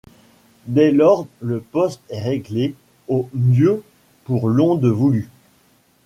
Dès lors le poste est réglé au mieux pour l'onde voulue.